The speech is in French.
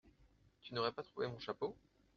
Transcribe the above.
Tu n’aurais pas trouvé mon chapeau ?…